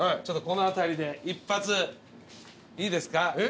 ちょっとこの辺りで一発いいですか？